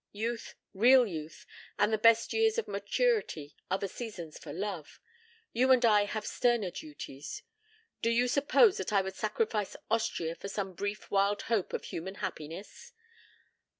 Youth real youth and the best years of maturity are the seasons for love. You and I have sterner duties. Do you suppose that I would sacrifice Austria for some brief wild hope of human happiness?